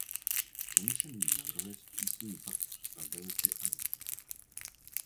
Komise nyní navrhuje zpřísnění Paktu stability a růstu.